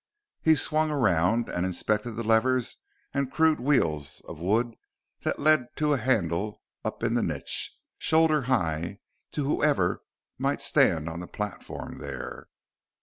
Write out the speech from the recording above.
He swung around and inspected the levers and crude wheels of wood that led to a handle up in the niche, shoulder high to whoever might stand on the platform there.